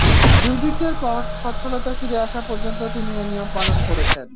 দুর্ভিক্ষের পর সচ্ছলতা ফিরে আসা পর্যন্ত তিনি এ নিয়ম পালন করেছেন।